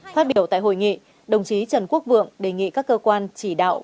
phát biểu tại hội nghị đồng chí trần quốc vượng đề nghị các cơ quan chỉ đạo